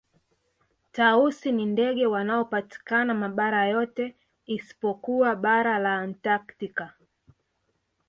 Tausi ni ndege wanaopatikana mabara yote isipokuwa bara la antaktika